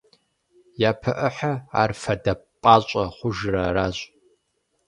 Япэ ӏыхьэр, ар «фадэ пӀащӀэ» хъужыр аращ.